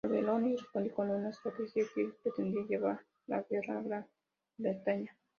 Alberoni respondió con una estratagema que pretendía llevar la guerra a Gran Bretaña.